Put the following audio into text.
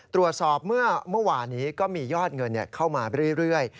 ตรวจสอบเมื่อวานนี้ก็มียอดเงินเข้ามาเรื่อย